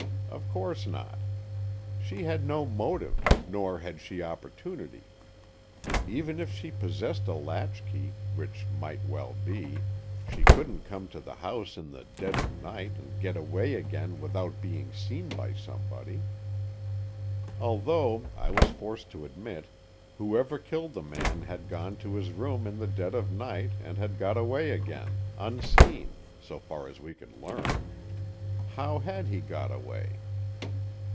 Of course not. She had no motive, nor had she opportunity. Even if she possessed a latchkey, which might well be, she couldn't come to the house in the dead of night, and get away again, without being seen by somebody. Although, I was forced to admit, whoever killed the man had gone to his room in the dead of night, and had got away again, unseen, so far as we could learn. How had he got away?